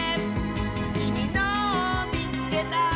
「きみのをみつけた！」